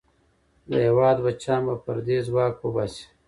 د هېواد بچیان به پردی ځواک وباسي.